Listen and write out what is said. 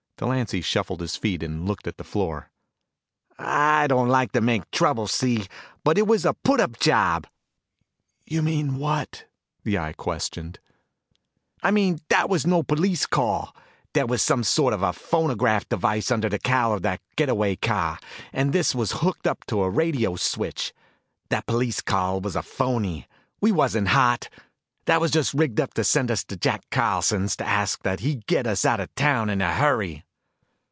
Delancy shuffled his feet and looked at the floor. "I don't like to make trouble, see, but that was a put up job." "You mean what?" the Eye questioned. "I mean that wasn't no police call. There was some sort of a phonograph device under the cowl of that get away car, and this was hooked up to the radio switch. That police call was a phoney. We wasn't hot. That was just rigged up to send us to Jack Carlson to ask that he get us out of town in a hurry.